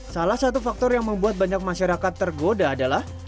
salah satu faktor yang membuat banyak masyarakat tergoda adalah